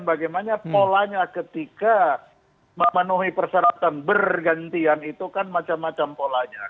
bagaimana polanya ketika memenuhi persyaratan bergantian itu kan macam macam polanya